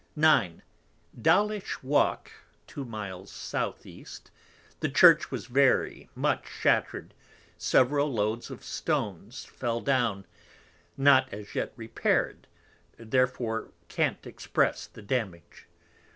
9. Dowlish Walk, two Miles South East, the Church was very much shattered, several Load of Stones fell down, not as yet repair'd, therefore can't express the damage.